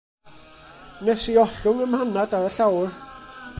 Wnes i ollwng 'y mhanad ar y llawr.